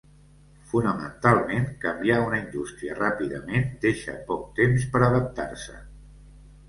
Fonamentalment, canviar una indústria ràpidament deixa poc temps per adaptar-se.